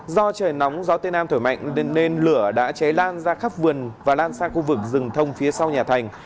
do trời nóng gió tây nam thổi mạnh nên lửa đã cháy lan ra khắp vườn và lan sang khu vực rừng thông phía sau nhà thành